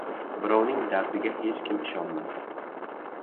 • Birovning dardiga hech kim inonmas.